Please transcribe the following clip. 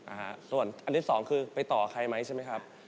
อันนี้สองคือไปต่อใครไหมใช่ไหมครับ